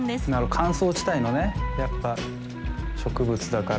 乾燥地帯のねやっぱ植物だから。